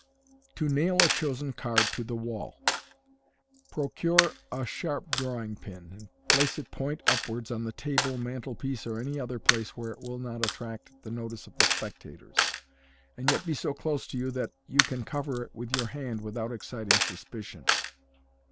To Nail a Chosen Card to the Wall. — Procure a sharp drawing pin, and place it point upwards on the table, mantelpiece, or any other place where it will not attract the notice of the spectators, and yet be so close to you that you can cover it with your hand with out exciting suspicion.